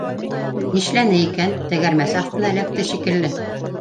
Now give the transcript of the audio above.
Нишләне икән? Тәгәрмәс аҫтына эләкте шикелле